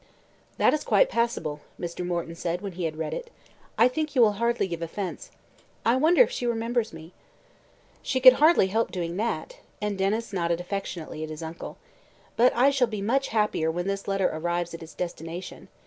"That is quite passable," Mr. Morton said when he had read it. "I think you will hardly give offence. I wonder if she remembers me?" "She could hardly help doing that," and Denys nodded affectionately at his uncle. "But I shall be much happier when this letter arrives at its destination.